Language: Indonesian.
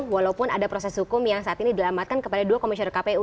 walaupun ada proses hukum yang saat ini dilamatkan kepada dua komisioner kpu